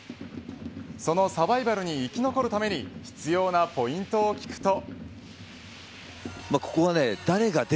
そのサバイバルに生き残るために必要なポイントを聞くと。